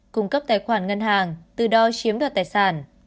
cung cấp tài khoản ngân hàng từ đó chiếm đoạt tài sản